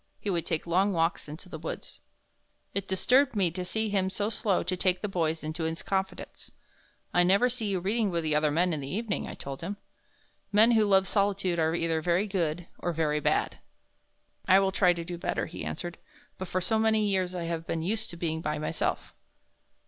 He would take long walks into the woods. It disturbed me to see him so slow to take the boys into his confidence. "I never see you reading with the other men in the evening," I told him. "Men who love solitude are either very good or very bad." "I will try to do better," he answered, "but for so many years I have been used to being by myself."